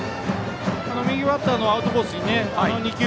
右バッターのアウトコースに２球。